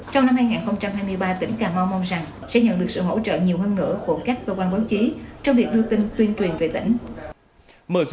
trong năm hai nghìn hai mươi ba tỉnh cà mau mong rằng sẽ nhận được sự hỗ trợ nhiều hơn nữa của các cơ quan báo chí trong việc đưa tin tuyên truyền về tỉnh